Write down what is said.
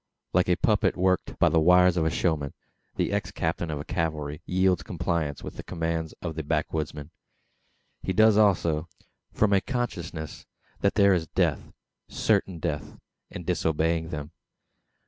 Like a puppet worked by the wires of the showman, the ex captain of cavalry yields compliance with the commands of the backwoodsman. He does so, from a consciousness that there is death certain death in disobeying them.